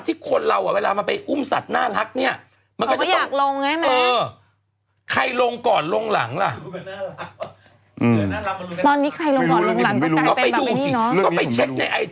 ที่คุณแม่ลงภาพพูดกับน้องปลอยยังไม่ลงเท่ากัน